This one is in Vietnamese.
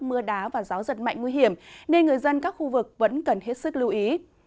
đó là đá và gió rất mạnh nguy hiểm nên người dân các khu vực vẫn cần hết sức lưu ý